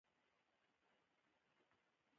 ښځه د شخړي د حل وسیله نه ده.